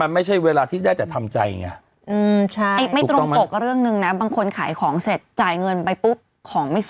มันไม่ใช่เวลาที่ได้อาจจะทำใจไง